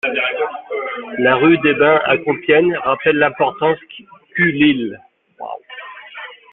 La rue des Bains à Compiègne rappelle l'importance qu'eut l'île.